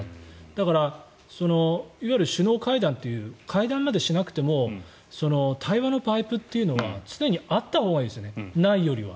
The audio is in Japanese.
だから、いわゆる首脳会談という会談までしなくても対話のパイプというのは常にあったほうがいいですよねないよりは。